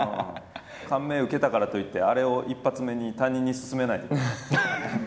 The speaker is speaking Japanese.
感銘受けたからといってあれを一発目に他人にすすめないでください。